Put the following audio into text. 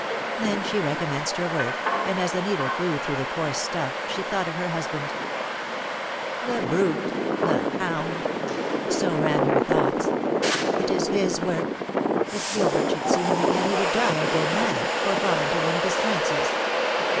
Then she recommenced her work, and as the needle flew through the coarse stuff she thought of her husband. "The brute! The hound!" so ran her thoughts. "It is his work. If Gilbert should see him again he would die or go mad, or fall into one of his trances.